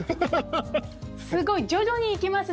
すごい！徐々に来ますね！